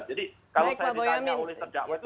jadi kalau saya ditanya oleh serdakwe itu